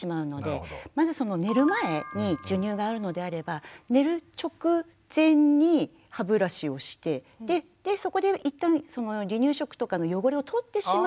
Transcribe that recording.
まずその寝る前に授乳があるのであれば寝る直前に歯ブラシをしてでそこで一旦離乳食とかの汚れをとってしまって授乳。